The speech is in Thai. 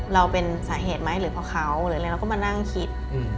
เราเป็นสาเหตุไหมหรือเพราะเขาหรืออะไรเราก็มานั่งคิด